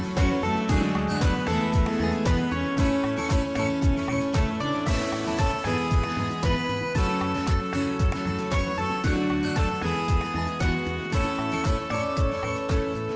สวัสดีครับ